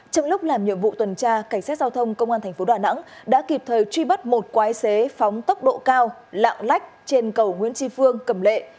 trong lúc làm nhiệm vụ tuần tra cảnh sát giao thông công an tp đà nẵng đã kịp thời truy bắt một quái xế phóng tốc độ cao lạng lách trên cầu nguyễn tri phương cầm lệ